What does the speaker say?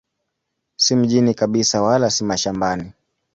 Si mjini kabisa wala si mashambani.